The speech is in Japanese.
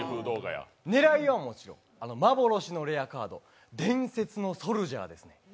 狙いはもちろん、幻のレアカード、伝説のソルジャーです。